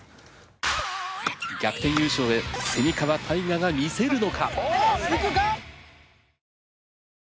逆転優勝へ川泰果が見せるのか？